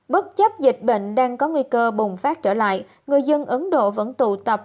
bất chấp dịch bệnh đang có nguy cơ bùng phát trở lại người dân ấn độ vẫn tụ tập